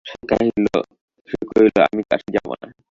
সে কহিল, আমি কাশী যাব না।